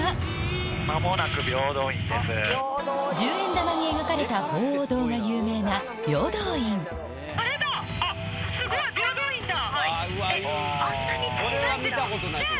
十円玉に描かれた鳳凰堂が有名なすごい平等院だ。